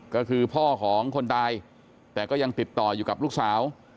ก็คือพ่อของคนตายแต่ก็ยังติดต่ออยู่กับลูกสาว